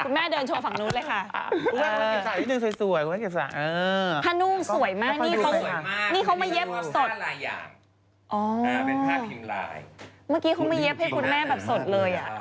เมื่อกี้เขามาเย็บให้คุณแม่แบบสดเลยอ่ะ